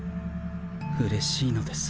うれしいのです。